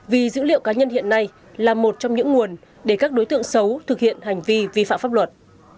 vì dữ liệu cá nhân hiện nay là một trong những nguồn để các đối tượng xấu thực hiện hành vi vi phạm pháp luật